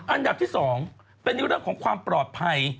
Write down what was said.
อันดับที่๒เป็นเรื่องของความปลอดภัย